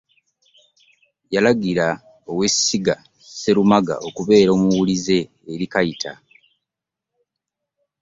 Yalagira ow'essiga Sserumaga okubeera omuwulize eri Kayita